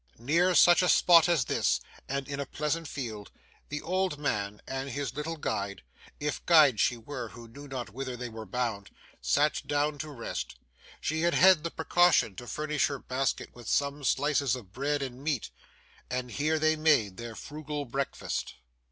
Near such a spot as this, and in a pleasant field, the old man and his little guide (if guide she were, who knew not whither they were bound) sat down to rest. She had had the precaution to furnish her basket with some slices of bread and meat, and here they made their frugal breakfast.